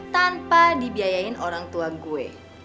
tanpa dibiayain orang tua gue